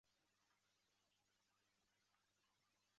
高翥人。